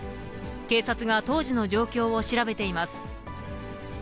警察が当時の状況を調べています。